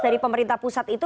dari pemerintah pusat itu